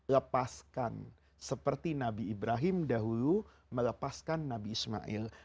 lepaskan seperti nabi ibrahim dahulu melepaskan nabi ismail